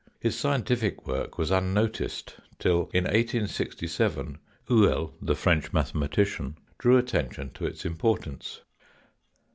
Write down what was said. His scientific work was unnoticed till, in 1867, Houel, the French mathematician,' drew attention to its importance.